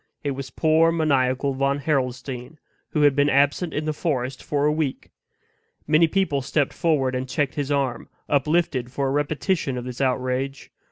It was poor, maniacal Von Harrelstein, who had been absent in the forest for a week. Many people stepped forward and checked his arm, uplifted for a repetition of this outrage.